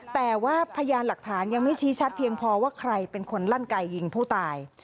แต่ว่าพยานหลักฐานยังไม่ชี้ชัดเพียงพอว่าใครเป็นคนลั่นไก่ยิงผู้ตาย